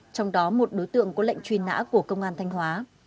trong đó một đối tượng có lệnh truy nã của công an thanh hóa